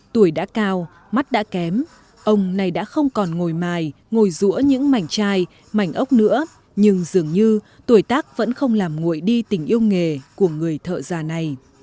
tuổi đã cao mắt đã kém ông này đã không còn ngồi mài ngồi rũa những mảnh chai mảnh ốc nữa nhưng dường như tuổi tác vẫn không làm nguội đi tình yêu nghề của người thợ già này